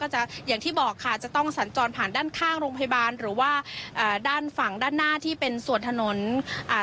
จะต้องสันจรผ่านด้านข้างโรงพยาบาลหรือว่าอ่าด้านฝั่งด้านหน้าที่เป็นส่วนถนนอ่า